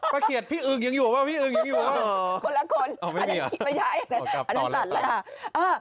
ป้าเขียดพี่อึงยังอยู่หรือเปล่าพี่อึงยังอยู่หรือเปล่าอ๋อคนละคนอันนั้นคิดไม่ใช่อันนั้นสั่นแล้วค่ะ